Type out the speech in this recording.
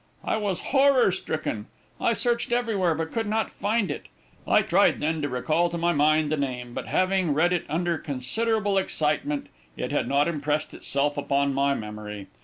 I was horror stricken. I searched everywhere, but could not find it. I tried then to recall to my mind the name; but having read it under considerable excitement, it had not impressed itself upon my memory.